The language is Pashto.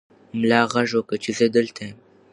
ملا غږ وکړ چې زه دلته یم.